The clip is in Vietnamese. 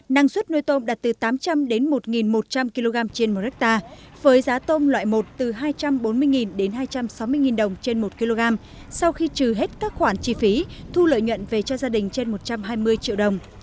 năng suất nuôi tôm đạt từ tám trăm linh đến một một trăm linh kg trên một hectare với giá tôm loại một từ hai trăm bốn mươi đến hai trăm sáu mươi đồng trên một kg sau khi trừ hết các khoản chi phí thu lợi nhuận về cho gia đình trên một trăm hai mươi triệu đồng